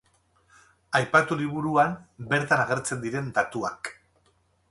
Aipatu liburuan bertan agertzen diren datuak.